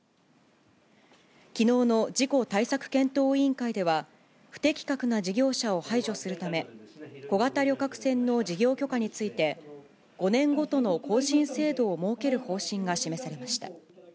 きのうの事故対策検討委員会では、不適格な事業者を排除するため、小型旅客船の事業許可について、５年ごとの更新制度を設ける方針が示されました。